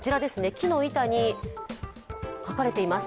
木の板に書かれています。